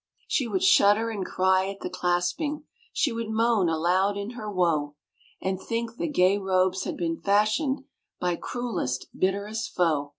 She would shudder and cry at the clasping, She would moan aloud in her woe, And think the gay robes had been fashioned By cruelest, bitterest foe.